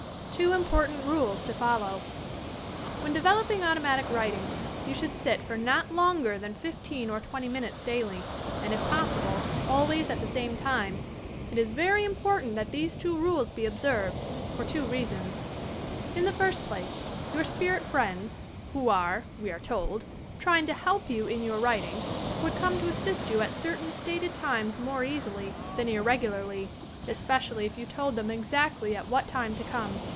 TWO IMPORTANT RULES TO FOLLOW When developing automatic writing, you should sit for not longer than fifteen or twenty minutes daily and, if possible, always at the same time. It is very impor tant that these two rules be observed, for two reasons: la the first place your spirit friends, who are, we are told, trying to help you in your writing, would come to assist you at certain stated times more easily than irregu larly, especially if you told them exactly at what time to come.